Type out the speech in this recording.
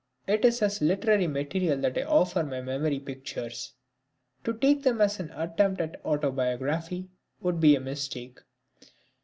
It is as literary material that I offer my memory pictures. To take them as an attempt at autobiography would be a mistake.